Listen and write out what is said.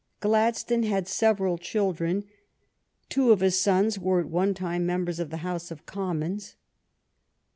Gladstone had several children. Two of his sons were at one time members of the House of Commons.